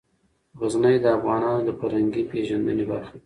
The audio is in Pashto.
غزني د افغانانو د فرهنګي پیژندنې برخه ده.